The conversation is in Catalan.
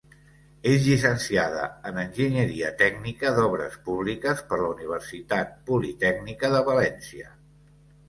És llicenciada en enginyeria tècnica d'obres públiques per la Universitat Politècnica de València.